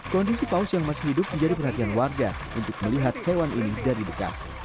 kondisi paus yang masih hidup menjadi perhatian warga untuk melihat hewan ini dari dekat